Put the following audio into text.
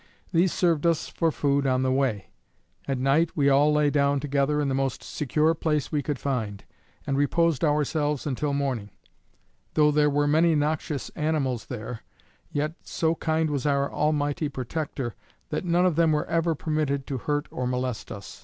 These served us for food on the way. At night we all lay down together in the most secure place we could find, and reposed ourselves until morning. Though there were many noxious animals there; yet so kind was our Almighty protector, that none of them were ever permitted to hurt or molest us.